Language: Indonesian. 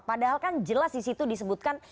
padahal kan jelas disitu disebutkan